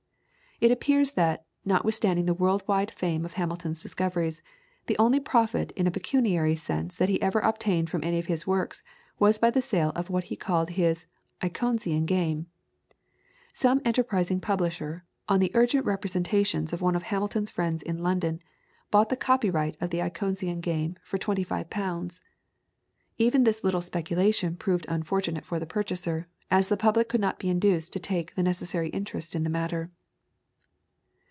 It appears that, notwithstanding the world wide fame of Hamilton's discoveries, the only profit in a pecuniary sense that he ever obtained from any of his works was by the sale of what he called his Icosian Game. Some enterprising publisher, on the urgent representations of one of Hamilton's friends in London, bought the copyright of the Icosian Game for 25 pounds. Even this little speculation proved unfortunate for the purchaser, as the public could not be induced to take the necessary interest in the matter.